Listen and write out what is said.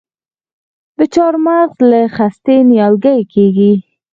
د چهارمغز له خستې نیالګی کیږي؟